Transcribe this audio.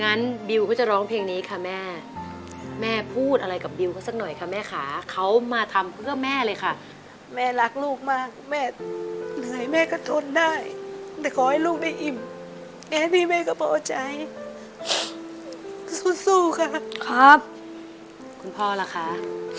บิวก็จะร้องเพลงนี้ค่ะแม่แม่พูดอะไรกับบิวเขาสักหน่อยค่ะแม่ค่ะเขามาทำเพื่อแม่เลยค่ะแม่รักลูกมากแม่เหนื่อยแม่ก็ทนได้แต่ขอให้ลูกได้อิ่มเอ๊พี่แม่ก็พอใจสู้ค่ะครับคุณพ่อล่ะคะ